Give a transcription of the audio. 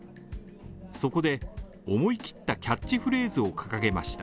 そこで、思い切ったキャッチフレーズを掲げました。